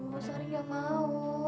bu sari enggak mau